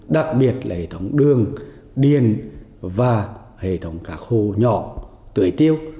đặc biệt là hệ thống đường điền và hệ thống cá khô nhỏ tưới tiêu